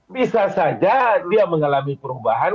bisa saja dia mengalami perubahan